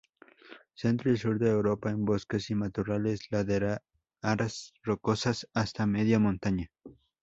Centro y sur de Europa, en bosques y matorrales, laderas rocosas, hasta media montaña.